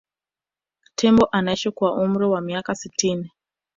tembo anaishi kwa umri wa miaka sitini